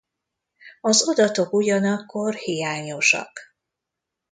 Az adatok ugyanakkor hiányosak.